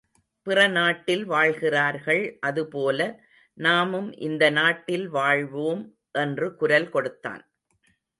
பிற நாட்டில் வாழ்கிறார்கள் அதுபோல நாமும் இந்த நாட்டில் வாழ்வோம் என்று குரல் கொடுத்தான்.